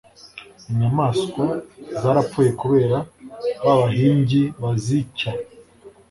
Inyamaswa zarapfuye kubera babahingi bazicya.